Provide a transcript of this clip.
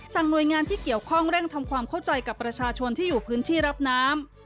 หน่วยงานที่เกี่ยวข้องเร่งทำความเข้าใจกับประชาชนที่อยู่พื้นที่รับน้ำ